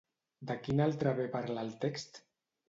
De quin altre bé parla el text?